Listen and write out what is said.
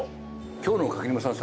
今日の柿沼さん